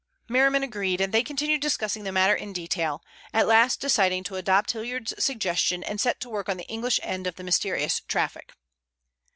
Merriman agreed, and they continued discussing the matter in detail, at last deciding to adopt Hilliard's suggestion and set to work on the English end of the mysterious traffic.